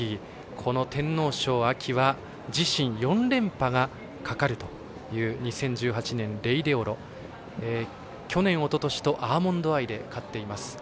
この天皇賞は自身４連覇がかかるという２０１８年、レイデオロ去年、おととしとアーモンドアイで勝っています。